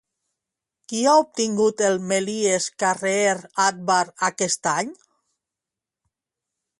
Qui ha obtingut el Méliès Career Award aquest any?